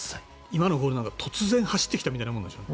今のゴールなんか突然走ってきたみたいなものでしょ。